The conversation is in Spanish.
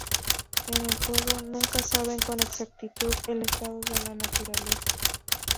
En el juego, nunca saben con exactitud el estado de la naturaleza.